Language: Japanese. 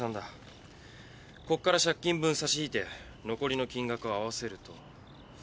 ここから借金分差し引いて残りの金額を合わせると。